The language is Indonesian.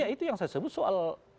ya itu yang saya sebut soal